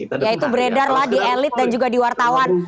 yaitu beredar lah di elit dan juga di wartawan